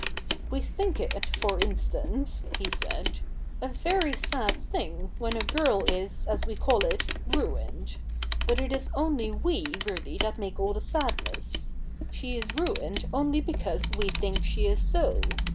'We think it, for instance,' he said, 'a very sad thing when a girl is as we call it ruined. But it is we really that make all the sadness. She is ruined only because we think she is so.